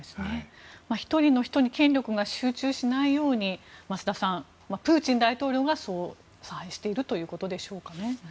１人の人に権力が集中しないように増田さん、プーチン大統領がそう采配しているということでしょうか。